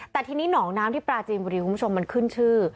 แต่ทีนี้หนองน้ำที่ปราจีนบุรีคุณผู้ชมมันขึ้นชื่อ